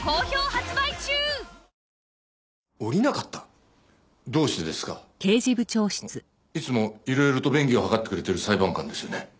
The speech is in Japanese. あのいつもいろいろと便宜を図ってくれてる裁判官ですよね？